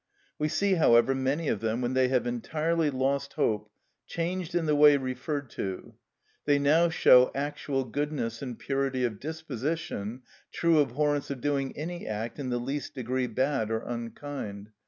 We see, however, many of them, when they have entirely lost hope, changed in the way referred to. They now show actual goodness and purity of disposition, true abhorrence of doing any act in the least degree bad or unkind.